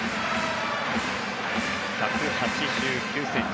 １８９ｃｍ。